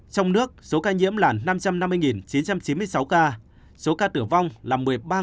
trong nước số ca nhiễm là năm trăm năm mươi chín trăm chín mươi sáu ca số ca tử vong là một mươi ba bảy trăm linh một